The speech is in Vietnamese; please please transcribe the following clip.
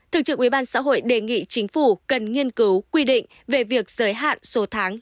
thường trực ubnd xã hội đề nghị chính phủ cần nghiên cứu quy định về việc giới hạn số tháng